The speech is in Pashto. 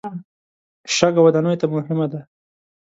شګه ودانیو ته مهمه ده.